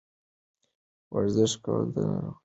ورزش کول د ناروغیو مخه نیسي.